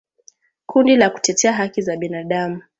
Kundi la kutetea haki za binadamu